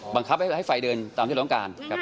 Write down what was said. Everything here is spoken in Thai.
บังคับให้ไฟเดินต่อที่เราดำกาล